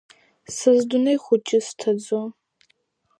Са сдунеи хәыҷы зҭаӡо.